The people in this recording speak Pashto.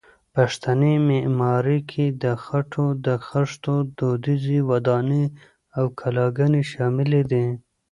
پښتني معمارۍ کې د خټو د خښتو دودیزې ودانۍ او کلاګانې شاملې دي.